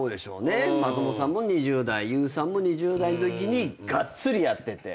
松本さんも２０代ＹＯＵさんも２０代のときにがっつりやってて。